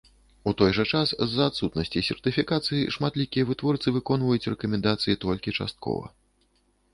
У той жа час, з-за адсутнасці сертыфікацыі шматлікія вытворцы выконваюць рэкамендацыі толькі часткова.